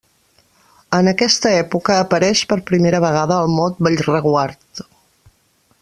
En aquesta època apareix per primera vegada el mot Bellreguard.